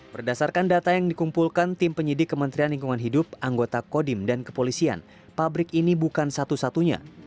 berdasarkan data yang dikumpulkan tim penyidik kementerian lingkungan hidup anggota kodim dan kepolisian pabrik ini bukan satu satunya